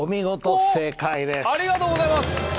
ありがとうございます。